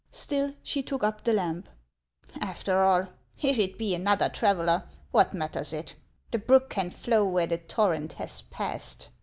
Still, she took up the lamp. " After all, if it be another traveller, what matters it ? The brook can flow where the torrent has passed."